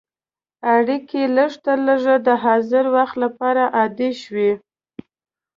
اړیکې لږترلږه د حاضر وخت لپاره عادي شوې.